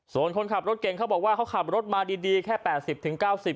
ส่วนคนขับรถเก่งเขาบอกว่าเขาขับรถมาดีแค่๘๐๙๐